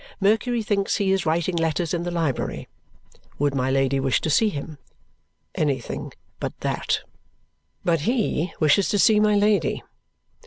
Mercury thinks he is writing letters in the library. Would my Lady wish to see him? Anything but that. But he wishes to see my Lady.